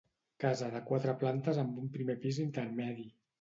Casa de quatre plantes amb un primer pis intermedi.